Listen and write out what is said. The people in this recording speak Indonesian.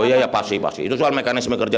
oh iya ya pasti pasti itu soal mekanisme kerja